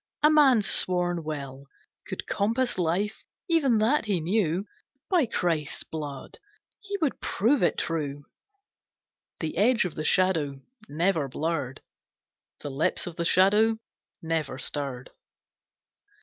A man's sworn will Could compass life, even that, he knew. By Christ's Blood! He would prove it true! The edge of the Shadow never blurred. The lips of the Shadow never stirred.